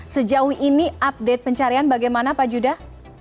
sejauh ini update pencarian bagaimana pak judah